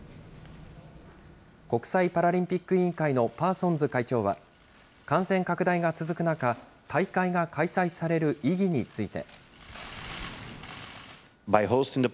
国際パラリンピック委員会のパーソンズ会長は、感染拡大が続く中、大会が開催される意義について。